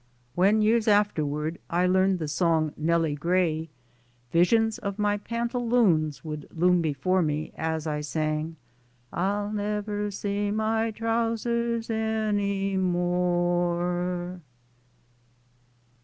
When years afterward, I learned the song "Nellie Gray," visions of my pantaloons would loom before me as I sang, "I'll never see my trousers any more."